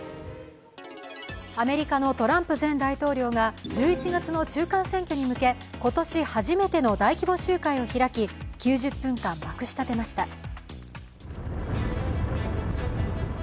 アメリカのトランプ前大統領が１１月の中間選挙に向け今年初めての大規模集会を開き９０分間、まくしたてました。